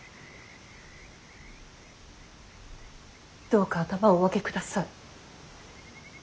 どうか頭をお上げください。